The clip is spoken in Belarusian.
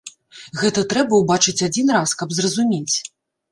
Гэта трэба ўбачыць адзін раз, каб зразумець.